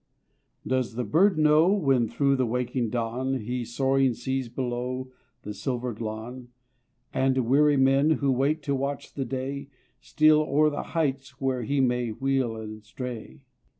Does the bird know, when thro' the waking dawn He soaring sees below the silvered lawn, And weary men who wait to watch the day Steal o'er the heights where he may wheel and stray?